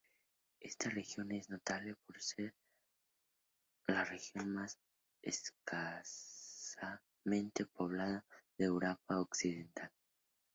Esta región es notable por ser la región más escasamente poblada de Europa Occidental.